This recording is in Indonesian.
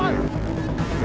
arah pula sekarang